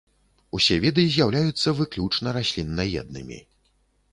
Усе віды з'яўляюцца выключна расліннаеднымі.